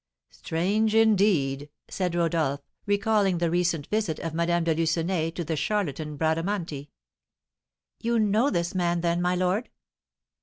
'" "Strange, indeed," said Rodolph, recalling the recent visit of Madame de Lucenay to the charlatan Bradamanti. "You know this man, then, my lord?"